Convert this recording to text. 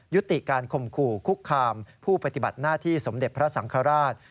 ยุติการคมขู่คุกคามผู้ปฏิบัติหน้าที่สมเด็จพระสังฆราช